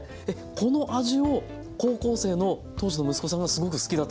この味を高校生の当時の息子さんがすごく好きだったと。